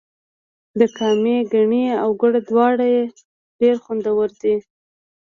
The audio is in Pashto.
د کامې ګني او ګوړه دواړه ډیر خوندور دي.